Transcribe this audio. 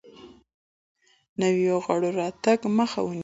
نویو غړو راتګ مخه ونیسي.